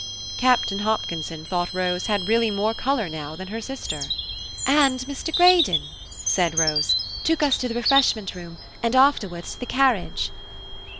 Captain Hopkinson thought Rose had really more colour now than her sister. "And Mr. Greydon," said Rose, "took us to the refreshment room, and afterwards to the carriage."